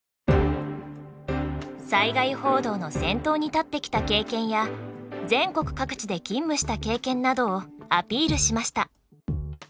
災害報道の先頭に立ってきた経験や全国各地で勤務した経験などをアピールしました。